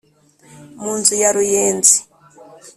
mu nzu ya ruyenzi,